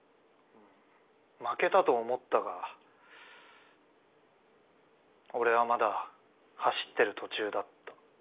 負けたと思ったが俺はまだ走ってる途中だった。